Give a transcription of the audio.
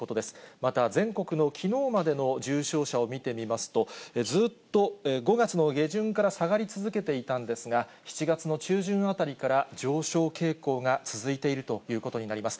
また全国のきのうまでの重症者を見てみますと、ずっと５月の下旬から下がり続けていたんですが、７月の中旬あたりから上昇傾向が続いているということになります。